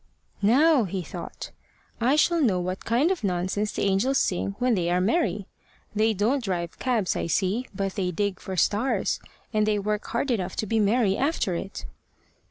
"Now," he thought, "I shall know what kind of nonsense the angels sing when they are merry. They don't drive cabs, I see, but they dig for stars, and they work hard enough to be merry after it."